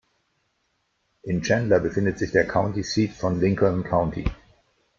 In Chandler befindet sich der County Seat von Lincoln County.